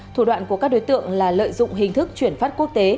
thủ đoạn của các đối tượng là lợi dụng hình thức chuyển phát quốc tế